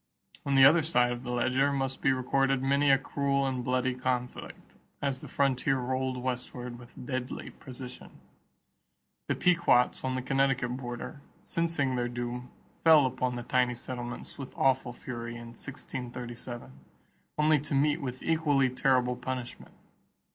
On the other side of the ledger must be recorded many a cruel and bloody conflict as the frontier rolled westward with deadly precision. The Pequots on the Connecticut border, sensing their doom, fell upon the tiny settlements with awful fury in 1637 only to meet with equally terrible punishment.